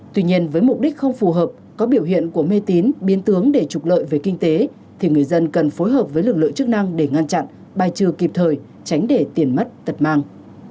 tuy nhiên với mục đích không phù hợp có biểu hiện của mê tín biến tướng để trục lợi về kinh tế thì người dân cần phối hợp với lực lượng chức năng để ngăn chặn bài trừ kịp thời tránh để tiền mất tật mang